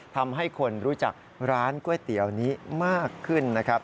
ทำให้คนรู้จักร้านก๋วยเตี๋ยวนี้มากขึ้นนะครับ